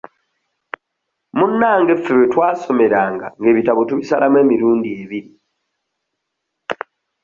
Munnange ffe we twasomeranga ng'ebitabo tubisalamu emirundi ebiri.